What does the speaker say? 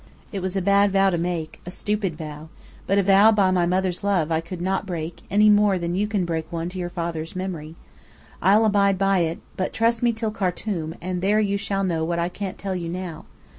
It was a bad vow to make: a stupid vow. But a vow by my mother's love I could not break, any more than you can break one to your father's memory. I'll abide by it: but trust me till Khartum, and there you shall know what I can't tell you now.